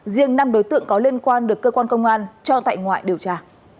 riêng năm đối tượng có liên quan được cơ quan công an cho tại ngoại điều tra